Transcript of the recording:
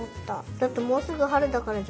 だってもうすぐはるだからじゃない？